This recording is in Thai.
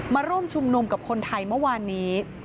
มาร่วมชุมนุมกับคนไทยเมื่อวานนี้